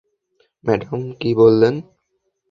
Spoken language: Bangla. ম্যাডাম, কী বললাম?